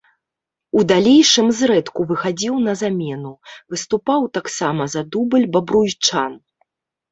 У далейшым зрэдку выхадзіў на замену, выступаў таксама за дубль бабруйчан.